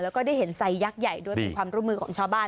แล้วก็ได้เห็นไซยักษ์ใหญ่ด้วยเป็นความร่วมมือของชาวบ้าน